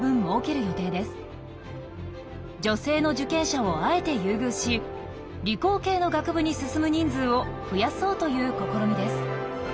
女性の受験者をあえて優遇し理工系の学部に進む人数を増やそうという試みです。